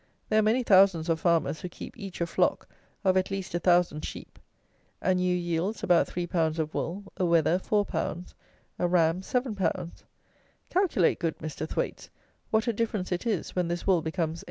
There are many thousands of farmers who keep each a flock of at least a thousand sheep. An ewe yields about 3lb. of wool, a wether 4lb., a ram 7lb. Calculate, good Mr. Thwaites, what a difference it is when this wool becomes 8_d.